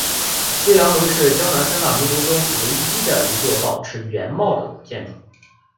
岳阳楼是江南三大名楼中唯一的一座保持原貌的古建筑。